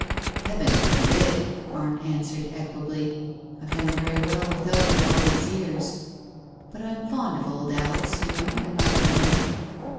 "Heaven forbid!" Arne answered equably. "I've done very well without it all these years. But I'm fond of old Alice, you know, in my own way.